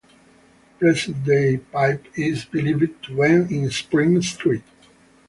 The present day pipe is believed to end in Spring Street.